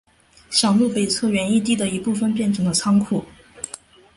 小路北侧原义地的一部分变成了仓库。